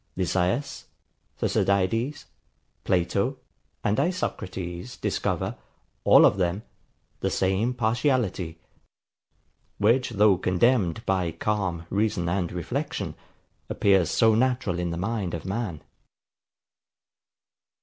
Lysias, Thucydides, Plato, and Isocrates discover, all of them, the same partiality; which, though condemned by calm reason and reflection, appears so natural in the mind of man.